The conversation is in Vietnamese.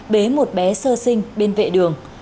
bế một bé sơ sinh bên vệ đường